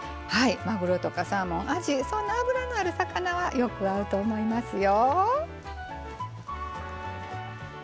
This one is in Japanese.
まぐろとかサーモンあじそんな脂のある魚はよく合うと思いますよ。